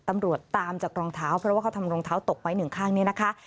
ตำรวจตามจากรองเท้าเพราะว่าเขาทำรองเท้าตกไว้หนึ่งข้างนี้นะคะ